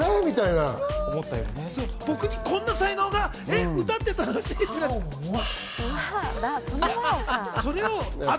僕にこんな才能が歌って楽しいって。